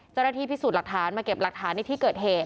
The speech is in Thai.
เจ้าหน้าที่พิสูจน์หลักฐานมาเก็บหลักฐานในที่เกิดเหตุ